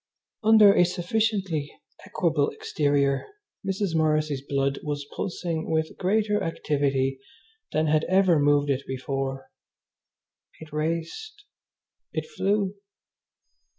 Under a sufficiently equable exterior Mrs. Morrissy's blood was pulsing with greater activity than had ever moved it before. It raced! It flew!